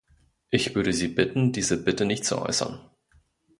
Ich würde Sie bitten, diese Bitte nicht zu äußern.